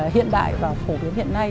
hiện đại và phổ biến hiện nay